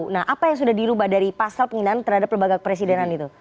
nah apa yang sudah dirubah dari pasal penghinaan terhadap lembaga kepresidenan itu